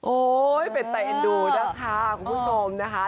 โอ้ยเป็นใต้เอ็นดูนะคะคุณผู้ชมนะคะ